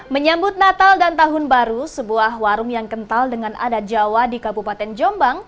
menyambut natal dan tahun baru sebuah warung yang kental dengan adat jawa di kabupaten jombang